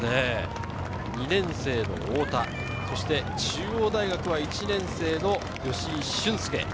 ２年生の太田、中央大学は１年生の吉居駿恭。